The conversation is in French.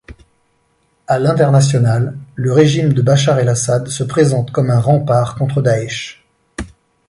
À l'international, le régime de Bachar el-Assad se présente comme un rempart contre Daech.